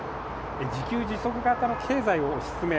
自給自足型の経済を推し進め